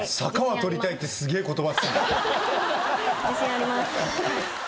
自信あります。